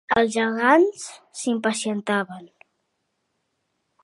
Els gegants s'impacientaven